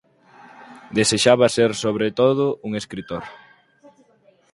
Desexaba ser sobre todo un escritor.